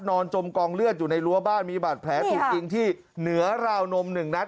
จมกองเลือดอยู่ในรั้วบ้านมีบาดแผลถูกยิงที่เหนือราวนม๑นัด